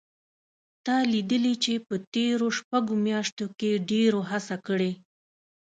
تا لیدلي چې په تېرو شپږو میاشتو کې ډېرو هڅه کړې